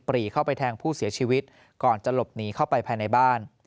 รีเข้าไปแทงผู้เสียชีวิตก่อนจะหลบหนีเข้าไปภายในบ้าน